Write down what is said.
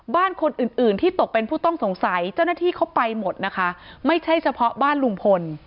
บ้านคนอื่นอื่นที่ตกเป็นผู้ต้องสงสัยเจ้าหน้าที่เขาไปหมดนะคะไม่ใช่เฉพาะบ้านลุงพล